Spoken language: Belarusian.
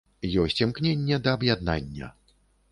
Ёсць імкненне да аб'яднання.